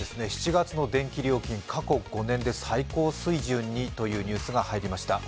７月の電気料金、過去５年で最高水準にというニュースが入りました。